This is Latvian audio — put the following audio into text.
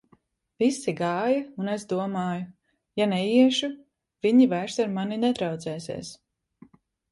Visi gāja, un es domāju: ja neiešu, viņi vairs ar mani nedraudzēsies.